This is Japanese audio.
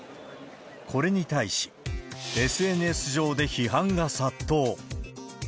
これに対し、ＳＮＳ上で批判が殺到。